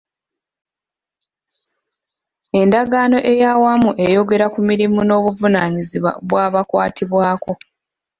Endagaano ey'awamu eyogera ku mirimu n'obuvunaanyizibwa bw'abakwatibwako.